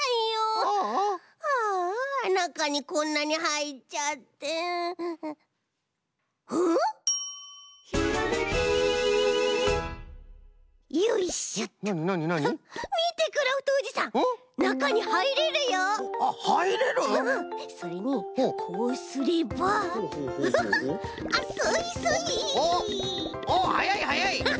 おっはやいはやい！